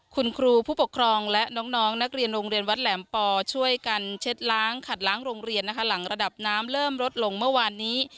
คุณครูผู้ปกครองและน้องนักเรียนโรงเรียนวัดแหลมปอช่วยกันเช็ดล้างขัดล้างโรงเรียนนะคะหลังระดับน้ำเริ่มลดลงเมื่อวานนี้